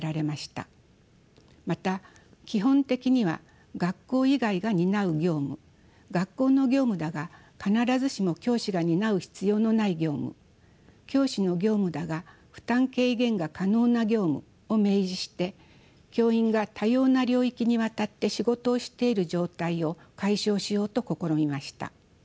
また「基本的には学校以外が担う業務」「学校の業務だが必ずしも教師が担う必要のない業務」「教師の業務だが負担軽減が可能な業務」を明示して教員が多様な領域にわたって仕事をしている状態を解消しようと試みました。